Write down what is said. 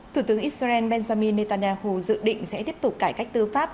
thủ tướng israel benjamin netanyahu dự định sẽ tiếp tục cải cách tư pháp